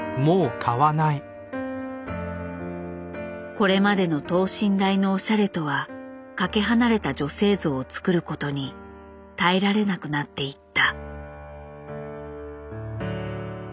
これまでの等身大のおしゃれとはかけ離れた女性像をつくることに耐えられなくなっていった。